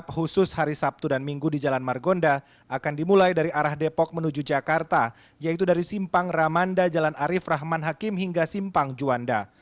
khusus hari sabtu dan minggu di jalan margonda akan dimulai dari arah depok menuju jakarta yaitu dari simpang ramanda jalan arif rahman hakim hingga simpang juanda